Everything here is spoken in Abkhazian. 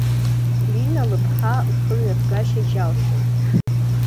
Ирина лԥҳа лхымҩаԥгашьа џьалшьон.